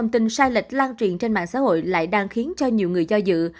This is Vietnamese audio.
dịch lan truyền trên mạng xã hội lại đang khiến cho nhiều người do dự